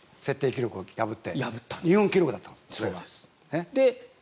前回は大迫が設定記録を破って日本記録だった。